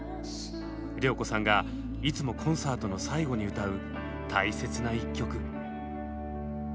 良子さんがいつもコンサートの最後に歌う大切な１曲。